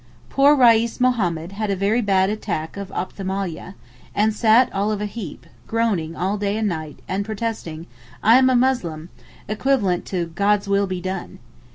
Poor Reis Mohammed had a very bad attack of ophthalmia, and sat all of a heap, groaning all day and night, and protesting 'I am a Muslim,' equivalent to 'God's will be done.